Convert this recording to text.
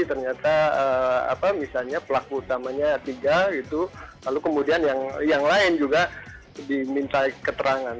ternyata misalnya pelaku utamanya tiga gitu lalu kemudian yang lain juga diminta keterangan